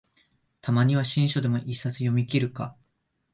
たまには新書でも一冊読みきるか